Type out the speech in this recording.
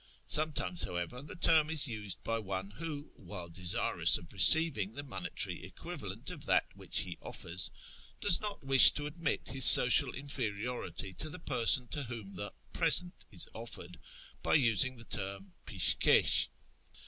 Sometimes, however, the term is used by one who, while desirous of receiv ing the monetary equivalent of that which he offers, does not wish to admit his social inferiority to the person to whom the " present " is offered by using the term 2nsh kcsh.